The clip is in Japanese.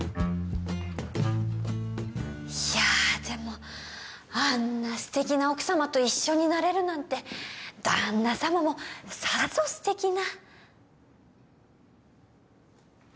いやでもあんな素敵な奥様と一緒になれるなんて旦那様もさぞ素敵な。